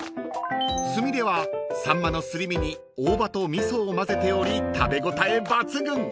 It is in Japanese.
［つみれはさんまのすり身に大葉と味噌を混ぜており食べ応え抜群］